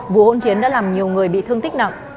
vụ hỗn chiến đã làm nhiều người bị thương tích nặng